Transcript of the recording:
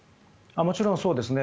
もちろんそうですね。